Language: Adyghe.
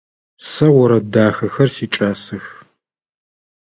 Сэ орэд дахэхэр сикӏасэх.